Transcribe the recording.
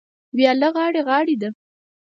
وياله غاړې غاړې ده.